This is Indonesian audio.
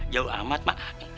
jauh amat mak